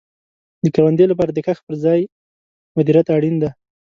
د کروندې لپاره د کښت په ځای مدیریت اړین دی.